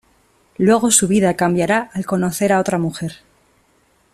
Luego su vida cambiará al conocer a otra mujer.